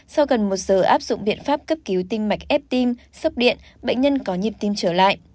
sau gần một giờ áp dụng biện pháp cấp cứu tim mạch ép tim sốc điện bệnh nhân có nhịp tim trở lại